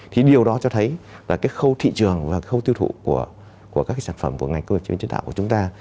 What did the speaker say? thì điều đó cho thấy là khâu thị trường và khâu tiêu thụ của các sản phẩm của ngành công nghiệp chế biến chế tạo của chúng ta